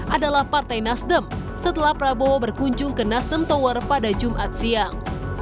adalah partai nasdem setelah prabowo berkunjung ke nasdem tower pada jumat siang